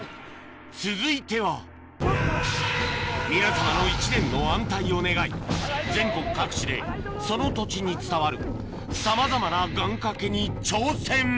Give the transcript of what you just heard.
続いては皆様の一年の安泰を願い全国各地でその土地に伝わるさまざまな願掛けに挑戦